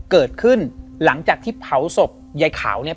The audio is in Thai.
เกิดขึ้นหลังจากที่เผาศพยายขาวเนี่ย